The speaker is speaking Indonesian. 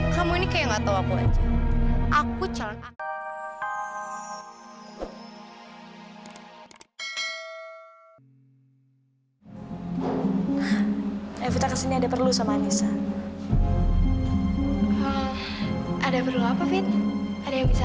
kamu ini kayak gak tau apa aja